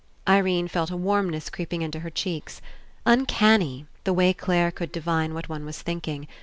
Irene felt a warmness creeping Into her cheeks. Uncanny, the way Clare could divine what one was thinking.